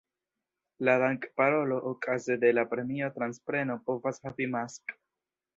La dank-"parolo" okaze de la premio-transpreno povas havi maks.